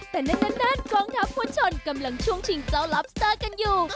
แต่นั่นกองทัพผู้ชนกำลังช่วงชิงเจ้าลับสเตอร์กันอยู่